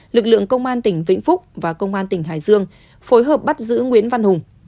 lực lượng công an tỉnh vĩnh phúc và công an tỉnh hải dương phối hợp bắt giữ nguyễn văn hùng